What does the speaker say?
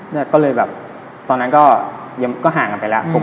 จริงก็เลยก็ห่างกันไปแล้ว